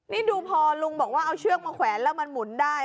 นี่ดูพอลุงบอกว่าเอาเชือกมาแขวนแล้วมันหมุนได้